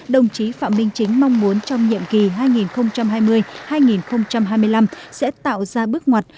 đồng chí phạm minh chính mong muốn trong nhiệm kỳ hai nghìn hai mươi hai nghìn hai mươi năm sẽ tạo ra bước ngoặt